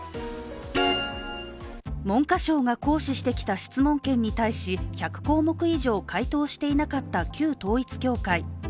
文科省が行使してきた質問権に対し１００項目以上、回答していなかった旧統一教会。